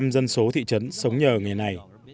tám mươi dân số thị trấn sống nhờ nghề này